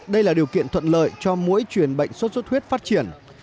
đây là điều kiện thuận lợi cho mỗi chuyển bệnh xuất xuất huyết phát triển